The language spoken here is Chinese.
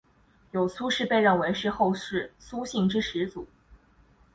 有苏氏被认为是后世苏姓之始祖。